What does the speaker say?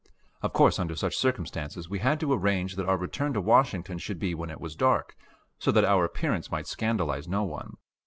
Of course under such circumstances we had to arrange that our return to Washington should be when it was dark, so that our appearance might scandalize no one.